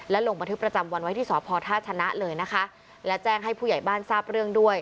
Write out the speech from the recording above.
ลงบันทึกประจำวันไว้ที่สพท่าชนะเลยนะคะและแจ้งให้ผู้ใหญ่บ้านทราบเรื่องด้วย